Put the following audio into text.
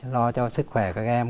lo cho sức khỏe các em